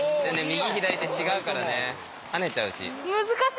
右左で違うからね跳ねちゃうし。